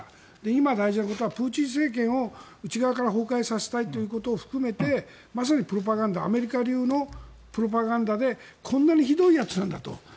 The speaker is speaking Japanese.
今、大事なことはプーチン政権を内側から崩壊させたいということを含めてまさにアメリカ流のプロパガンダでこんなにひどいやつなんだと。